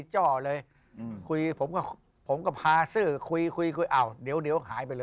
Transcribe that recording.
หลับไปเลย